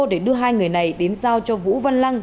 để đưa hai người này đến giao cho vũ văn lăng